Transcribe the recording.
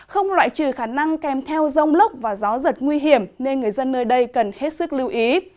không loại trừ khả năng kèm theo rông lốc và gió giật nguy hiểm nên người dân nơi đây cần hết sức lưu ý